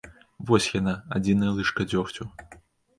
Вось яна, адзіная лыжка дзёгцю.